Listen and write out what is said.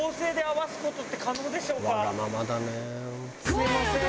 すみません。